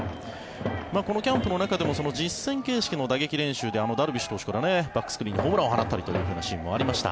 このキャンプの中でも実戦形式の打撃練習の中でダルビッシュ有からバックスクリーンにホームランを放ったりというシーンもありました。